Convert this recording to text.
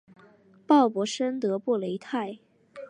鲍博什德布雷泰。